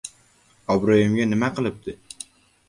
— Obro‘yimga nima qilibdi?!